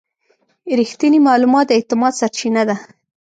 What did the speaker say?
رښتینی معلومات د اعتماد سرچینه ده.